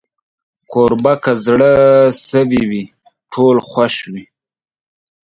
کوربه که زړه سوي وي، ټول خوښ وي.